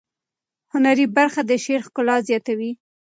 هنري برخه د شعر ښکلا زیاتوي.